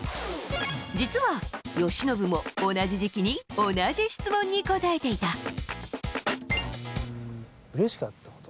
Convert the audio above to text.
実は、由伸も同じ時期に同じ質問に答えていた。